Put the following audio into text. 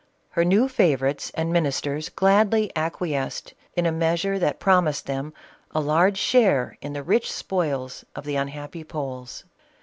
Her new favorites and minis ters gladly acquiesced in a measure that promised them a large share in the rich spoils of the unhappy Poles.